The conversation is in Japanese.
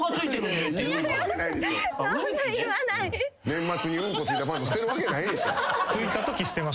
年末にうんこ付いたパンツ捨てるわけないでしょ。